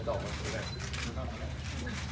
สวัสดีครับ